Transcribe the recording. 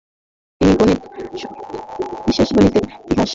তিনি গণিত সম্পর্কীয় বিশেষতঃ গণিতের ইতিহাস নিয়ে পুস্তিকা প্রকাশ করেন।